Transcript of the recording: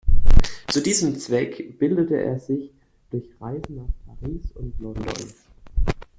Zu diesem Zweck bildete er sich durch Reisen nach Paris und London.